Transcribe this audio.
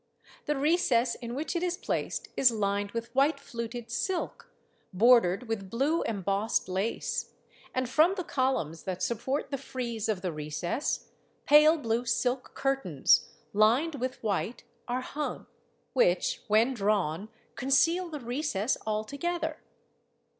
The recess in which it is placed is lined with white fluted silk, bordered with blue embossed lace; and from the columns that support the frieze of the recess, pale blue silk curtains, lined with white, are hung; which, when drawn, con ceal the recess altogether.